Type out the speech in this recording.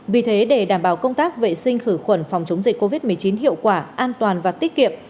vì thế để đảm bảo công tác vệ sinh khử khuẩn phòng chống dịch covid một mươi chín hiệu quả an toàn và tiết kiệm